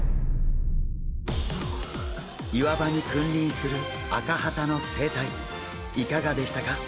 岩場に君臨するアカハタの生態いかがでしたか？